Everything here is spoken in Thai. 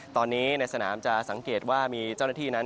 ตอนนี้ในสนามจะสังเกตว่ามีเจ้าหน้าที่นั้น